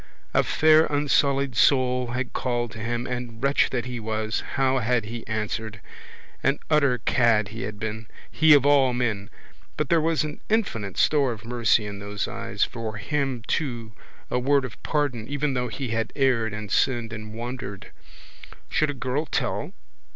A fair unsullied soul had called to him and, wretch that he was, how had he answered? An utter cad he had been! He of all men! But there was an infinite store of mercy in those eyes, for him too a word of pardon even though he had erred and sinned and wandered. Should a girl tell?